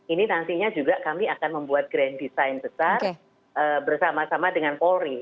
ini nantinya juga kami akan membuat grand design besar bersama sama dengan polri